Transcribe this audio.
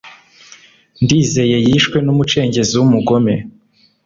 ndizeye yishwe numucengezi w’umugome